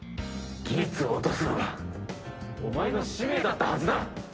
ギーツを落とすのがお前の使命だったはずだ！